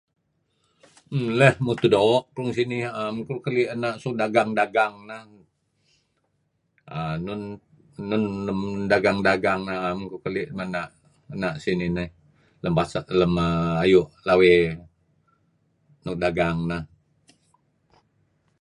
Leh mutuh doo' kuh ngen sinih. Naem uih keli' suk dagan-dagang neh. Nun nun suk dagang-dagan neh naem uih keli' ena' sinih nih uhm lem ayu' lawey nuk dagang neh.